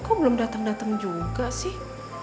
kok belum dateng dateng juga sih